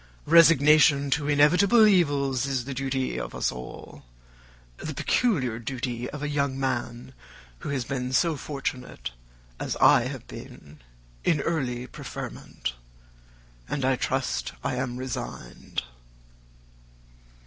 Resignation to inevitable evils is the duty of us all: the peculiar duty of a young man who has been so fortunate as I have been, in early preferment; and, I trust, I am resigned.